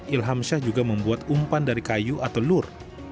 ilham syah juga membuat umpan dari kayu atau lur